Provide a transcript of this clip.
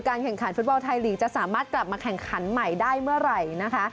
แข่งขันฟุตบอลไทยลีกจะสามารถกลับมาแข่งขันใหม่ได้เมื่อไหร่นะคะ